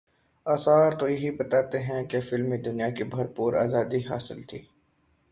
آثار تو یہی بتاتے ہیں کہ فلمی دنیا کو بھرپور آزادی حاصل تھی۔